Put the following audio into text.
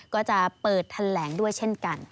ก็จะเปิดแถลงด้วยเช่นกัน